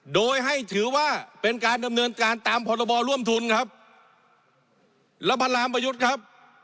โดยให้ถือว่าเป็นการดำเนินการตามพรบร่วมทุนครับแล้วพระรามประยุทธ์ครับ